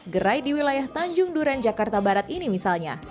gerai di wilayah tanjung duren jakarta barat ini misalnya